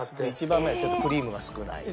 １番目はちょっとクリームが少ない。